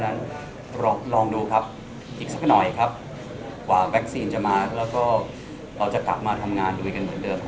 อย่างขย้อนต่อไปวันแรกที่เราติดมันก็มีทั้งมุมห่วงให้ต้องกำจัดกับมุม